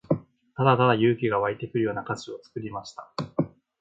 ただただ勇気が湧いてくるような歌詞を作りました。